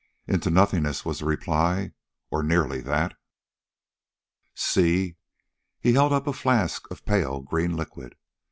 "Into nothingness," was the reply. "Or nearly that!" "See?" He held up a flask of pale green liquid.